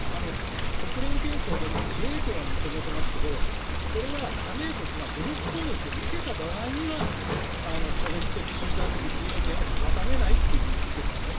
国連憲章でも自衛権は認めていますがそれは加盟国が武力攻撃を受けた場合には個別的・集団的自衛権を妨げないと言っているんですね。